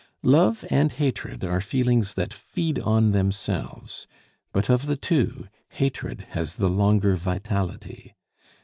Love and hatred are feelings that feed on themselves; but of the two, hatred has the longer vitality.